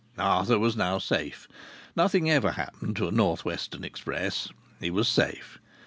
Arthur was now safe. Nothing ever happened to a North Western express. He was safe.